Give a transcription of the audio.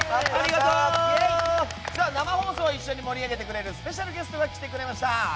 生放送を一緒に盛り上げてくれるスペシャルゲストが来てくれました。